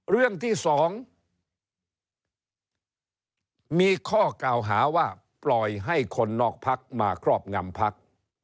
เรื่องที่๒มีข้อกล่าวหาว่าปล่อยให้คนนอกพักมาครอบงำพัก